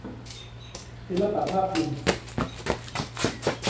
ศิลปะภาพพิมพ์